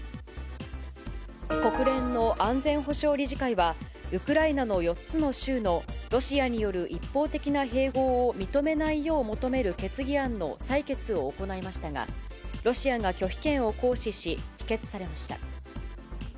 国連の安全保障理事会は、ウクライナの４つの州のロシアによる一方的な併合を認めないよう求める決議案の採決を行いましたが、ロシアが拒否権を行使し、否決されました。